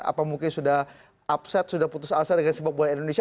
apa mungkin sudah upset sudah putus asa dengan sepak bola indonesia